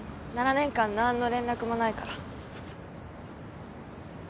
７年間何の連絡もないから。